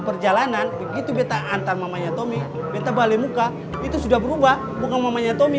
perjalanan begitu beta antar mamanya tommy beta balai muka itu sudah berubah bukan mamanya tommy